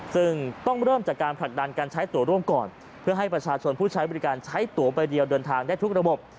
ซึ่งต้องเริ่มจากการผลักดันการใช้ตัวร่วมก่อนเพื่อให้ประชาชนผู้ใช้บริการใช้ตัวใบเดียวเดินทางได้ทุกระบบ